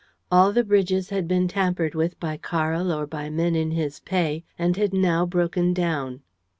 All the bridges had been tampered with by Karl or by men in his pay and had now broken down.